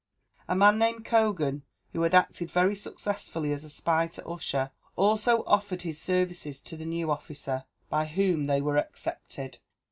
A man named Cogan, who had acted very successfully as a spy to Ussher, also offered his services to the new officer, by whom they were accepted.